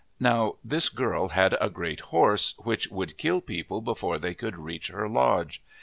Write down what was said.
Now, this girl had a great horse which would kill people before they could reach her lodge.